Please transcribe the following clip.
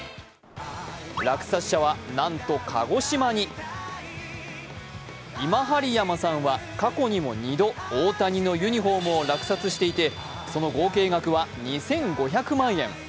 落札者はなんと鹿児島に今針山さんは過去にも２度大谷のユニフォームを落札していてその合計額は２５００万円。